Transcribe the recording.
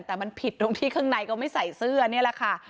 แต่มันผิดตรงที่ข้างในก็ไม่ใส่เสื้อนี่แหละค่ะ